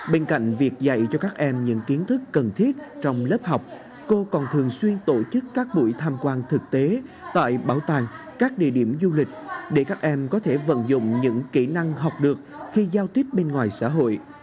bên cạnh việc dạy cho các em những kiến thức cần thiết trong lớp học cô còn thường xuyên tổ chức các buổi tham quan thực tế tại bảo tàng các địa điểm du lịch để các em có thể vận dụng những kỹ năng học được khi giao tiếp bên ngoài xã hội